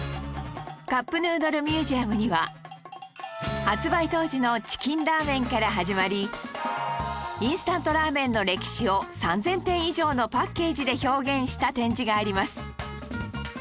カップヌードルミュージアムには発売当時のチキンラーメンから始まりインスタントラーメンの歴史を３０００点以上のパッケージで表現した展示があります